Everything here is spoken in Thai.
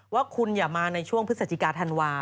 ว่าคุณอย่ามาในช่วงพฤศจิกาธันวา